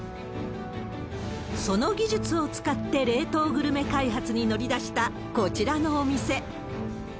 その技術を使って冷凍グルメ開発に乗り出したこちらのお店。